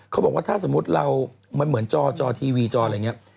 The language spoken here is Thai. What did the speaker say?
เขาบอกว่าถ้าสมมุติเรามันเหมือนจอจอทีวีจออะไรอย่างนี้